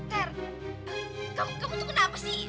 ter kamu tuh kenapa sih